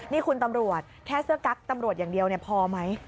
นี่คุณตำรวจแค่เสื้อกั๊กตำรวจอย่างเดียวพอไหม